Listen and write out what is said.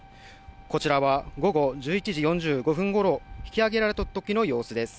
こちらは午後１１時４５分ごろ、引き揚げられたときの様子です。